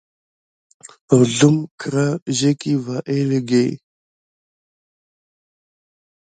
Hurzlum kécra ziki vaŋ élinkə kufon ɗe tokgue vin.